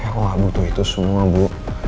tapi aku gak butuh itu semua bu